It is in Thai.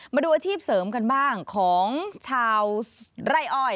มาดูอาชีพเสริมกันบ้างของชาวไร่อ้อย